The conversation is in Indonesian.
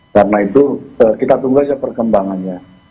karena itu kita tunggu aja perkembangannya